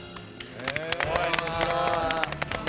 面白い！